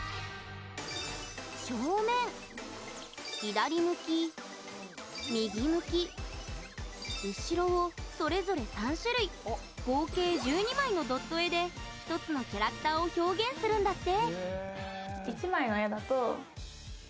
正面、左向き右向き、後ろをそれぞれ３種類合計１２枚のドット絵で１つのキャラクターを表現するんだって。